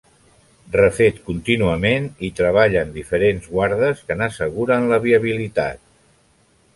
Refet contínuament, hi treballen diferents guardes que n'asseguren la viabilitat.